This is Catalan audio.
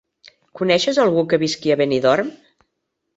Coneixes algú que visqui a Benidorm?